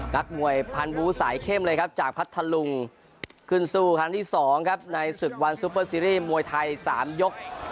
นักมวยพันบูสายเข้มเลยครับจากพัทธลุงขึ้นสู้ครั้งที่๒ครับในศึกวันซูเปอร์ซีรีส์มวยไทย๓ยก